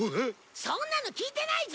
そんなの聞いてないぞ！